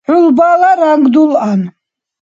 ХӀулбала ранг дулъан